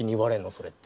それって。